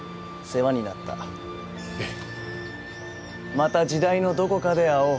また時代のどこかで会おう。